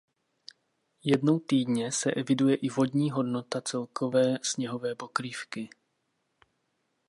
Jednou týdně se eviduje i vodní hodnota celkové sněhové pokrývky.